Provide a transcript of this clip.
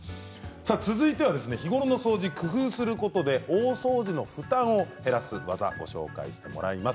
続いては日頃の掃除を工夫することで大掃除の負担を減らす技をご紹介してまいります。